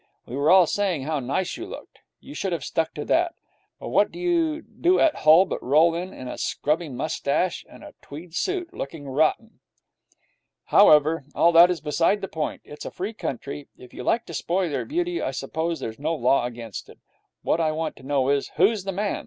We were all saying how nice you looked. You should have stuck to that. But what do you do at Hull but roll in in a scrubby moustache and a tweed suit, looking rotten. However, all that is beside the point. It's a free country. If you like to spoil your beauty, I suppose there's no law against it. What I want to know is, who's the man?